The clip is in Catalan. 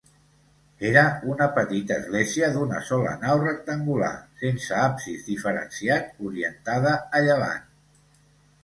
Era una petita església d'una sola nau rectangular, sense absis diferenciat, orientada a llevant.